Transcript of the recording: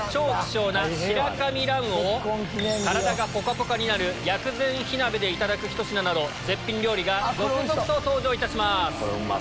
体がぽかぽかになる薬膳火鍋でいただくひと品など絶品料理が続々と登場いたします。